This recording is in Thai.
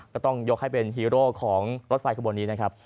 ก็ต้องยกให้เป็นฮีโร่ของรถไฟขบวนนี้นะครับ